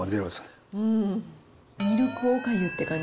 ミルクおかゆって感じ。